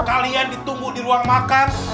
kalian ditunggu di ruang makan